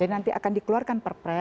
jadi nanti akan dikeluarkan perpres